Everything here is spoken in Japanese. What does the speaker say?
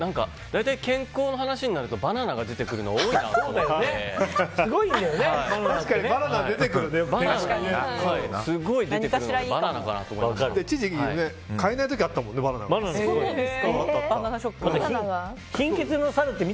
大体、健康の話になるとバナナが出てくるの多いなと思って。